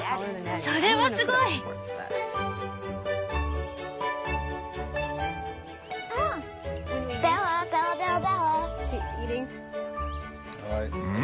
それはすごい！ん？